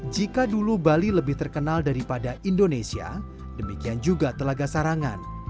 jika dulu bali lebih terkenal daripada indonesia demikian juga telaga sarangan